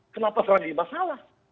kenapa seranggiling masalah